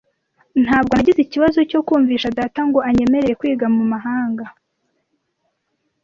Ntabwo nagize ikibazo cyo kumvisha data ngo anyemerere kwiga mu mahanga.